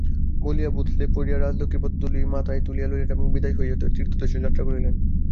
বলিয়া ভূতলে পড়িয়া রাজলক্ষ্মীর পদধূলি মাথায় তুলিয়া লইলেন এবং বিদায় হইয়া তীর্থোদ্দেশে যাত্রা করিলেন।